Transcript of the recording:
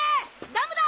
ダムだ！